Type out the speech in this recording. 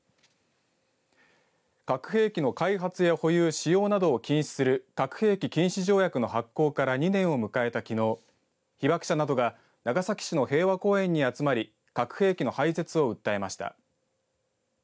核兵器の開発や保有使用などを禁止する核兵器禁止条約の発効から２年を迎えたきのう被爆者などが長崎市の平和公園に集まり核兵器の廃絶を訴えました。